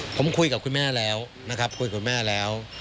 ผมคุยกับคุณแม่แล้วนะครับคุยกับคุณแม่แล้ว